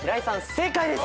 正解です。